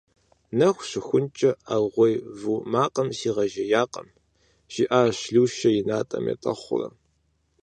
- Нэху щыхункӏэ аргъуей ву макъым сигъэжеякъым, - жиӏащ Лушэ и натӏэм етӏэхъуурэ.